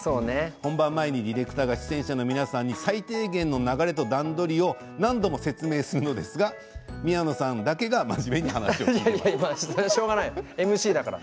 本番前にディレクターが出演者の皆さんに最低限の流れと段取りを何度も説明するのですが宮野さんだけがそれはしょうがないＭＣだから。